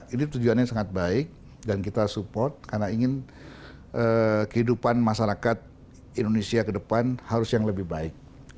ini tujuannya sangat baik dan kita support karena ingin kehidupan masyarakat indonesia ke depan harus yang lebih baik